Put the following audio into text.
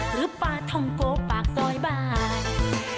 หรือปลาทองโกปากซอยบาง